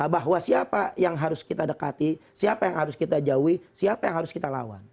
bahwa siapa yang harus kita dekati siapa yang harus kita jauhi siapa yang harus kita lawan